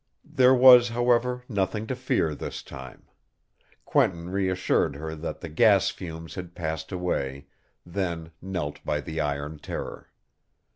There was, however, nothing to fear this time. Quentin reassured her that the gas fumes had passed away, then knelt by the iron terror.